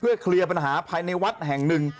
เคลียร์ปัญหาภายในวัดแห่งหนึ่ง